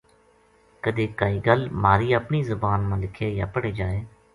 کَدے کائی گل مھاری اپنی زبان ما لکھے یا پڑھے جائے